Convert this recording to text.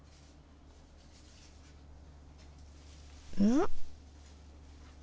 ん？